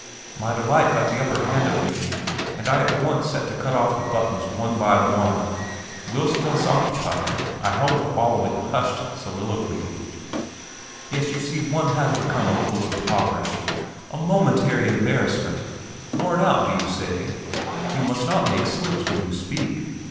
My delight got the upper hand of me, and I at once set to cut off the buttons one by one. Whilst thus occupied, I held the following hushed soliloquy: Yes, you see one has become a little impoverished; a momentary embarrassment ... worn out, do you say? You must not make slips when you speak?